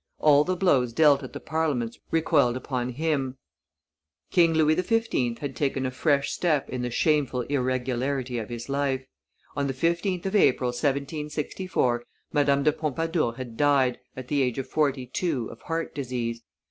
All the blows dealt at the Parliaments recoiled upon him. King Louis XV. had taken a fresh step in the shameful irregularity of his life; on the 15th of April, 1764, Madame de Pompadour had died, at the age of forty two, of heart disease.